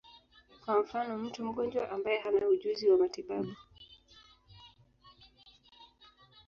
Kwa mfano, mtu mgonjwa ambaye hana ujuzi wa matibabu.